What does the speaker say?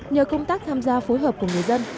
nhờ công tác tham gia phối hợp của người dân